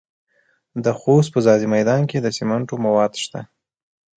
د خوست په ځاځي میدان کې د سمنټو مواد شته.